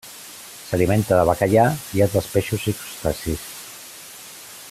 S'alimenta de bacallà i altres peixos i crustacis.